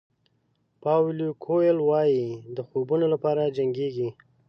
پاویلو کویلو وایي د خوبونو لپاره جنګېږئ.